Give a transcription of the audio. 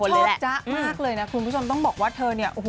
คือเราชอบจะมากเลยนะคุณผู้ชมต้องบอกว่าเธอเนี่ย